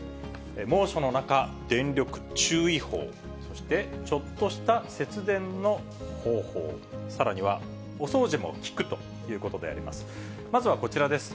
猛暑の中、電力注意報、そしてちょっとした節電の方法、さらにはお掃除も効くということであります。